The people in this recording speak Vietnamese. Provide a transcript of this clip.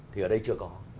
thì ở đây chưa có